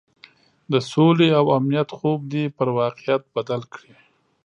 د سولې او امنیت خوب دې پر واقعیت بدل کړي.